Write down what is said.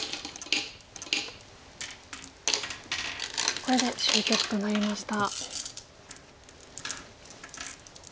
これで終局となりました。